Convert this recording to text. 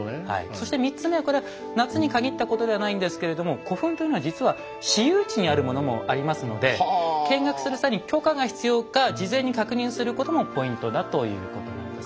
そして３つ目はこれは夏に限ったことではないんですけれども古墳というのは実は私有地にあるものもありますので見学する際に許可が必要か事前に確認することもポイントだということなんですね。